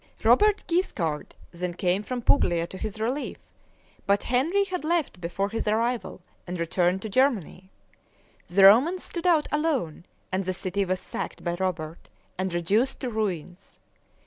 Robert Guiscard them came from Puglia to his relief, but Henry had left before his arrival, and returned to Germany. The Romans stood out alone, and the city was sacked by Robert, and reduced to ruins.